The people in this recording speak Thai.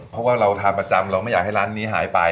เพราะว่าเราทานประจำเราไม่อยากให้ร้านนี้หายไป